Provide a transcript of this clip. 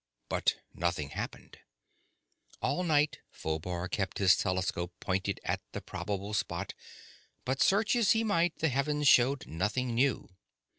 But nothing happened. All night Phobar kept his telescope pointed at the probable spot, but search as he might, the heavens showed nothing new.